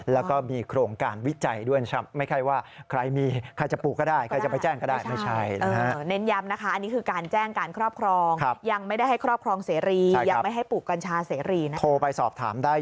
และก็มีโครงการวิจัยด้วยไม่ใช่ว่า